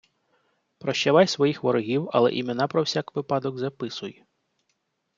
Прощавай своїх ворогів, але імена про всяк випадок записуй